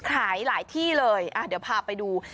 หลายที่เลยเดี๋ยวพาไปดู